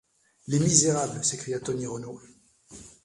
Les misérables!... s’écria Tony Renault.